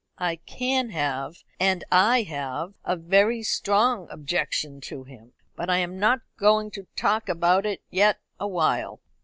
"I can have, and I have, a very strong objection to him. But I am not going to talk about it yet awhile."